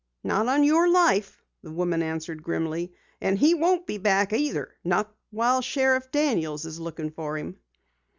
"Not on your life!" the woman answered grimly. "And he won't be back either not while Sheriff Daniels is looking for him."